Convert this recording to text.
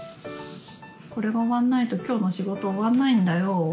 これが終わんないと今日の仕事終わんないんだよ。